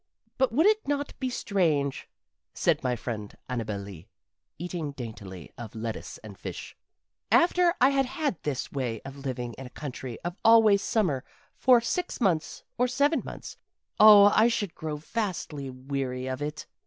"But would it not be strange," said my friend Annabel Lee, eating daintily of lettuce and fish, "after I had had this way of living in a country of always summer for six months or seven months oh, I should grow vastly weary of it!